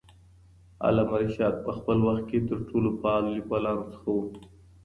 علامه رشاد په خپل وخت کې د تر ټولو فعالو لیکوالانو څخه وو.